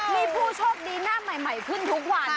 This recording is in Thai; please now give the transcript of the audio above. มีผู้โชคดีหน้าใหม่ขึ้นทุกวัน